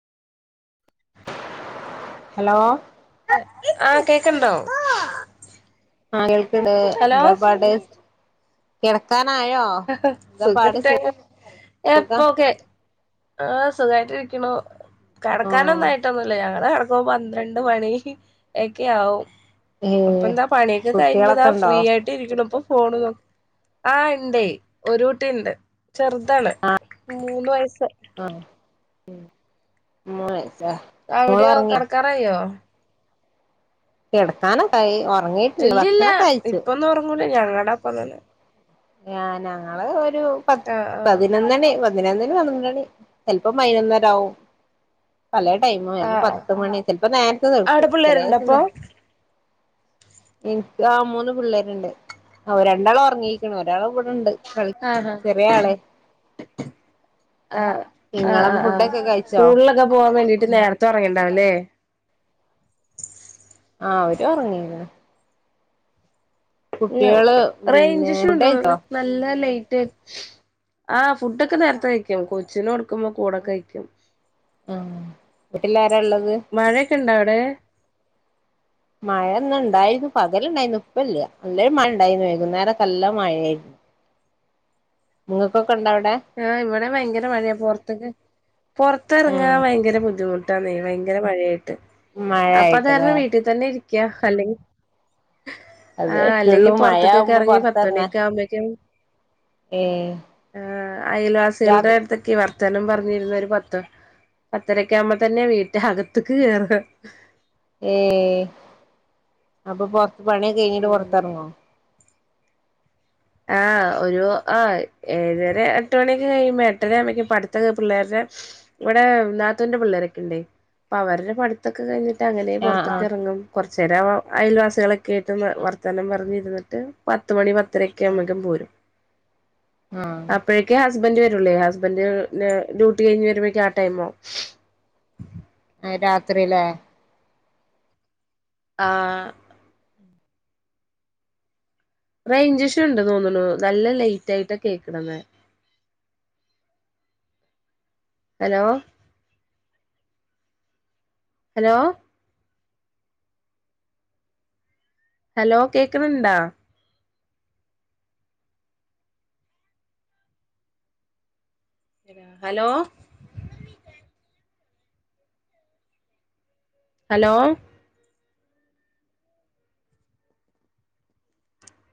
Hello ആഹ് കേക്കണുണ്ടോ ആഹ് ഇപ്പളെ എന്താ പാട് കിടക്കാനായോ ഹാ ഹാ എന്താ പാട് സുഖട്ടയോ സുഖ എപ്പൊക്കെ ആഹ് സുഖമായിട്ടിരിക്കണു ആ കിടക്കാനൊന്നായിട്ടൊന്നുല്ല ഞങ്ങളെ കിടക്കുമ്പം പന്ത്രണ്ട് മണി എക്കെ ആവും ഏ ഇപ്പ എന്താ പണിയൊക്കെ കഴിഞ്ഞതാ കുട്ടികളൊക്കെ ഉണ്ടോ ഫ്രീ ആയിട്ട് ഇരിക്കണപ്പൊ ഫോണു നോ ആഹ് ഇണ്ടേ ഒരു കുട്ടിയുണ്ടെ ചെറുതാണ് മൂന്ന് വയസ്സെ ആഹ് ഉം മോളേച്ചാ അവിടെയോ കെടക്കാറായോ കെടക്കാനൊക്കായി ഒറങ്ങി ഇല്ലില്ല ഇപ്പൊന്നും ഉറങ്ങൂല ഞങ്ങടൊപ്പം തന്നെ ആഹ് ഞാങ്ങളെ ഒരു പത്ത് ആഹ് ആഹ് പതിനൊന്നണി എങ്ങനാന്നേലും പതിനൊന്നണി സ്വല്പം വൈകുന്നേരാവും പല ടൈമു വരു ആഹ് ആഹ് പത്ത് മണി ചിലപ്പോ നേരത്തെ തടുക്കൂ അവിടെ ചില പിള്ളേരുണ്ടോ ദിസം അപ്പൊ എനിയ്ക്കാ മൂന്ന് പിള്ളേരുണ്ട് രണ്ടാളൊറങ്ങി ഒരാളിവിടുണ്ട് കളി ആഹ് ആഹ് ചെറിയ ആളെ ആഹ് ആഹ് നിങ്ങളപ്പ ആഹ് ആഹ് ഫുഡൊക്കെ കഴിച്ചോ സ്കൂളിലൊക്കെ പോകാൻവേണ്ടട്ട് തൊറങ്ങിണ്ടാവല്ലേ ആഹ് അവരൊറങ്ങീലെ കുട്ടികള് പിന്നെ ഫുഡ് റെയിഞ്ചിഷുണ്ടോ കഴിച്ചോ [unintelligible] നല്ല ലൈറ്റെ ആഹ് ഫുഡൊക്കെ നേരത്തെ വയ്ക്കും കൊച്ചിനോട് ക്കുമ്പം കൂടെ കയിക്കും ആഹ് വീട്ടിലാരാ ഉള്ളത് മഴേക്കൊ ണ്ടോ അവിടെ [inaudible] മഴ ഇന്നുണ്ടായിരുന്നു പകലുണ്ടായിരുന്നു ഇപ്പല്യ നല്ലൊരു മഴ ഇണ്ടായിരുന്നു വൈകുന്നേരക്കെല്ലാം മഴയായിരുന്നു നിങ്ങൾക്കൊക്കെ ഉണ്ടോവിടെ ആഹ് ഇവിടേം ഭയങ്കര മഴയാ പോറത്തൊക്കെ പൊറത്തിറങ്ങാൻ ആഹ് ഭയങ്കര ബുദ്ധിമുട്ട് തന്നെ ഭയങ്കര മഴയായിട്ട് അപ്പൊ മഴയായിട്ടല്ലേ താരണം വീട്ടിൽ തന്നെ ഇരിക്കയാ അല്ലെങ്കി അത് ആഹ് അല്ലെങ്കി പറ്റുള്ളൂ പൊറത്തൊക്കൊ മഴയാവുമ്പോ കറങ്ങി പൊറത്തിറങ്ങാൻ പത്തുമണിയൊക്കാ വുമ്പോഴേക്കും ഏഹ് അയൽവാസികളുടെ രാത്രി അടുത്തൊക്ക വർ വർത്താനം പറഞ്ഞിരുന്നൊരു പത്തെ പത്തരക്കാകുമ്പോ തന്നെ വീട്ടകത്തേക്ക് കേറ ഏ അപ്പൊ പൊറത്ത് പണിയൊക്കെ കഴിഞ്ഞിട്ട് പൊറ റത്തിറങ്ങോ ആഹ് ഒരു ആ ഏഴര എട്ട് മണിയൊക്കെ കഴിയുമ്പോൾ എട്ടരാവുമ്പയത്തേക്ക് പട്ത്തൊക്കെ പിള്ളേരുടെ ഇവിടെ നാത്തൂന്റെ പിള്ളേരൊക്കെ ഉണ്ടേ അപ്പൊ അവരുടെ പഠിത്തൊക്കെ കഴിഞ്ഞിട്ട്. അങ്ങനെ ആഹ് പുറത്തേക്ക് ആഹ് ഇറങ്ങും. കുറച്ചേരം അയൽവാസികളൊക്കെ ആയിട്ട് വർത്താനം പറഞ്ഞിരുന്നിട്ട്. പത്ത് മണി പത്തര പോരും ആഹ് അപ്പോഴേ [unintelligible] ഹസ്ബന്ഡ് വരൂലേ ഹസ്ബന്റ് ഡ്യൂട്ടി കഴിഞ്ഞ് വരുമ്പോഴേക്ക് ആ ടൈമാവും. ആ രാത്രില്ലേ ആഹ് റേയ് ഞ്ച് ഇശ്യൂ ഉണ്ടെന്നോന്ന് ണു നല്ല ലേയ് റ്റായിട്ട കേക്കണത് ഹലോ ഹലോ? ഹലോ കേക്ക്ണ് ണ്ടോ? ഹലോ? ഹലോ